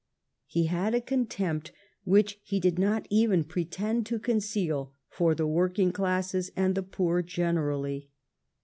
He had a contempt, which he did not even pre tend to conceal, for the working classes and the poor generally.